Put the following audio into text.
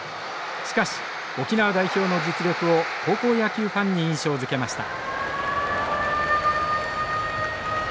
しかし沖縄代表の実力を高校野球ファンに印象づけました。